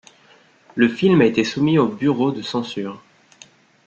Le film a été soumis au Bureau de Censure.